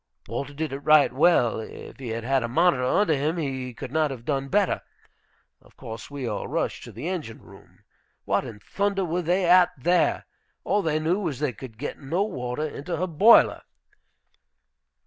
Walter did it right well; if he had had a monitor under him he could not have done better. Of course we all rushed to the engine room. What in thunder were they at there? All they knew was they could get no water into her boiler.